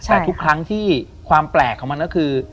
แต่ทุกครั้งที่ความแปลกของมันก็คือ